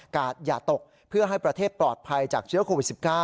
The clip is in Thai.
อย่าตกเพื่อให้ประเทศปลอดภัยจากเชื้อโควิด๑๙